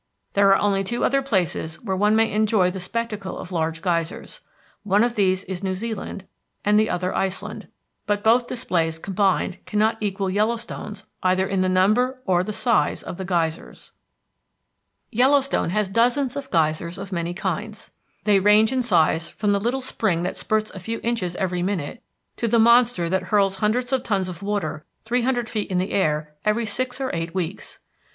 There are only two other places where one may enjoy the spectacle of large geysers. One of these is New Zealand and the other Iceland; but both displays combined cannot equal Yellowstone's either in the number or the size of the geysers. Yellowstone has dozens of geysers of many kinds. They range in size from the little spring that spurts a few inches every minute to the monster that hurls hundreds of tons of water three hundred feet in air every six or eight weeks.